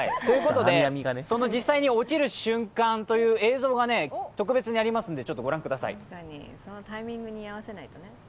実際に落ちる瞬間の映像が特別にありますので、ご覧ください。